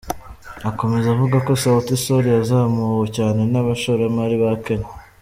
Akomeza avuga ko Sauti Sol yazamuwe cyane n’abashoramari ba Kenya.